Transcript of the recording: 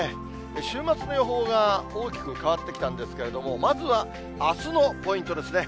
週末の予報が大きく変わってきたんですけれども、まずはあすのポイントですね。